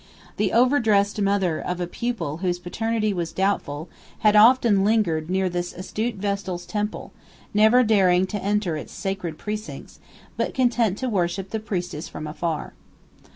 The overdressed mother of a pupil whose paternity was doubtful had often lingered near this astute Vestal's temple, never daring to enter its sacred precincts, but content to worship the priestess from afar.